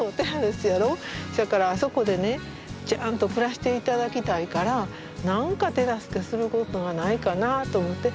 そやからあそこでねちゃんと暮らしていただきたいから何か手助けすることがないかなあと思って。